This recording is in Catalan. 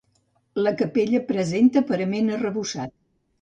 La capella presenta parament arrebossat.